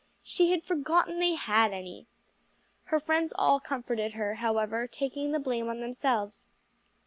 She had forgotten they had any. Her friends all comforted her, however, taking the blame on themselves.